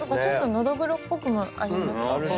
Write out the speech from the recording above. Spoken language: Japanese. ノドグロっぽくもありますね。